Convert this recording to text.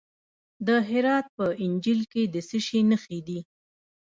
د هرات په انجیل کې د څه شي نښې دي؟